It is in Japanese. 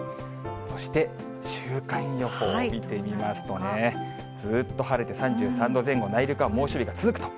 そして週間予報見てみますとね、ずっと晴れて、３３度前後、内陸は猛暑日が続くと。